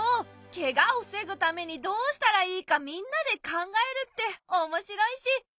ケガを防ぐためにどうしたらいいかみんなで考えるっておもしろいし大事なことなんだね！